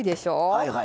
はいはい。